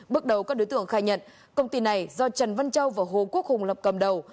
bước đầu các đối tượng khai nhận công ty này do trần văn châu và hồ quốc hùng lập cầm đầu